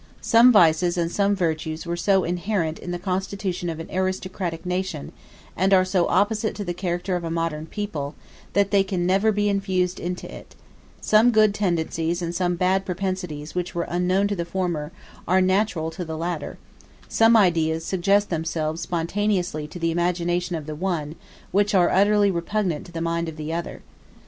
Some vices and some virtues were so inherent in the constitution of an aristocratic nation, and are so opposite to the character of a modern people, that they can never be infused into it; some good tendencies and some bad propensities which were unknown to the former, are natural to the latter; some ideas suggest themselves spontaneously to the imagination of the one, which are utterly repugnant to the mind of the other.